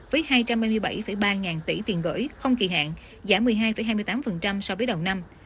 với hai trăm hai mươi bảy ba ngàn tỷ tiền gửi không kỳ hạn giảm một mươi hai hai mươi tám so với đầu năm